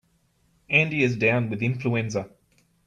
Andy is down with influenza.